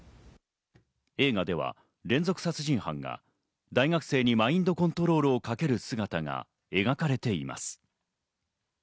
映画では連続殺人犯が大学生にマインドコントロールをかける姿が描かれています。